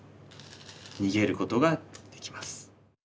逃げることができます。